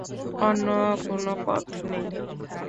অন্য কোনো পথ নেই।